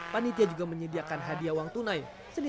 panitia juga memperbutkan piala menpora dan ketua umum poni